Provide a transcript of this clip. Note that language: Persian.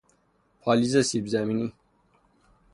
پالیز سیب زمینی